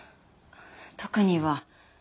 特には。